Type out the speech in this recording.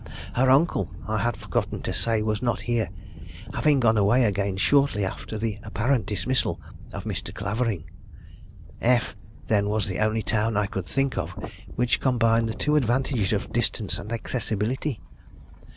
Her uncle, I have forgotten to say, was not here having gone away again shortly after the apparent dismissal of Mr. Clavering. F , then, was the only town I could think of which combined the two advantages of distance and accessibility.